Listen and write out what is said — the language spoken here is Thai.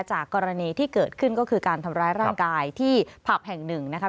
กรณีที่เกิดขึ้นก็คือการทำร้ายร่างกายที่ผับแห่งหนึ่งนะครับ